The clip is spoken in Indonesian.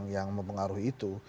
yang mempengaruhi itu